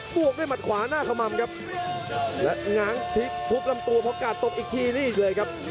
บวกด้วยหมัดขวาหน้าขม่ำครับและง้างพลิกทุบลำตัวพอกาดตกอีกทีนี่เลยครับ